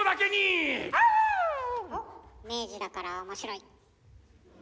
おっ明治だから面白い。